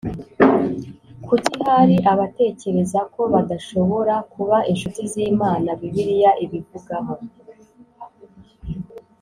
kuki hari abatekereza ko badashobora kuba incuti z imana bibiliya ibivugaho